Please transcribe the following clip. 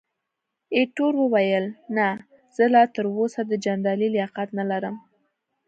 ایټور وویل، نه، زه لا تراوسه د جنرالۍ لیاقت نه لرم.